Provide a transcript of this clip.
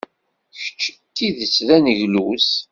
Kečč d tidet d aneglus!